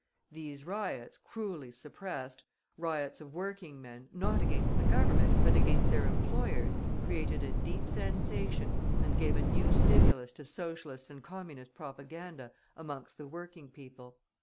These riots, cruelly suppressed, riots of working men not against the Government, but against their employers, created a deep sensation, and gave a new stimulus to Socialist and Communist propaganda amongst the working people.